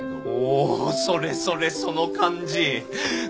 おおそれそれその感じ！